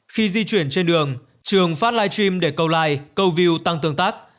khi di chuyển trên đường trường phát live stream để câu like câu view tăng tương tác